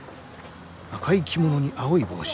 赤い着物に青い帽子。